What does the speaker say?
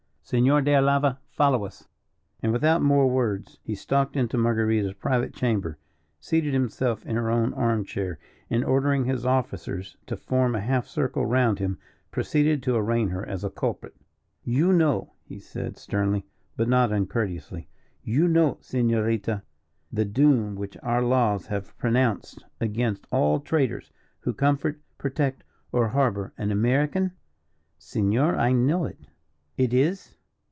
Senor de Alava, follow us." And without more words, he stalked into Marguerita's private chamber, seated himself in her own arm chair, and ordering his officers to form a half circle round him, proceeded to arraign her as a culprit. "You know," he said, sternly, but not uncourteously, "you know, Senorita, the doom which our laws have pronounced against all traitors who comfort, protect, or harbour an American?" "Senor, I know it." "It is?"